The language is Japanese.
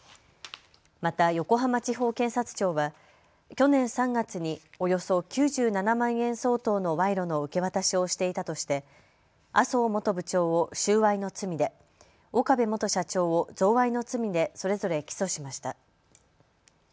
また横浜地方検察庁は去年３月におよそ９７万円相当の賄賂の受け渡しをしていたとして麻生元部長を収賄の罪で、岡部元社長を贈賄の罪でそれぞれ起訴しました。